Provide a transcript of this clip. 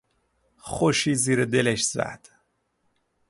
خوشی زیر دلش زد.